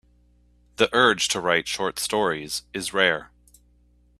The urge to write short stories is rare.